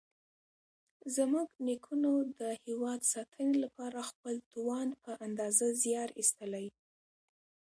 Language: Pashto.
زموږ نیکونو د هېواد ساتنې لپاره خپل توان په اندازه زیار ایستلی.